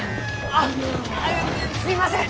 あっ！すみません！